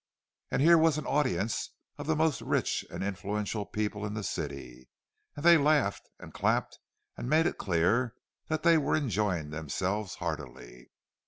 And here was an audience of the most rich and influential people in the city; and they laughed and clapped, and made it clear that they were enjoying themselves heartily.